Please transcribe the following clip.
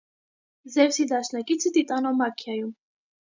Զևսի դաշնակիցը Տիտանոմաքիայում։